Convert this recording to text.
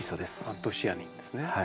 アントシアニンですね。